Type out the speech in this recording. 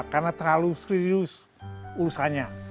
karena terlalu serius urusannya